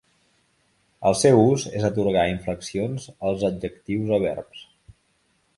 El seu ús és atorgar inflexions als adjectius o verbs.